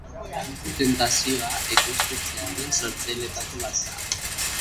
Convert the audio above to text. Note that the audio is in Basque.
Tentazioa ekoiztetxearen sortzailetako bat da.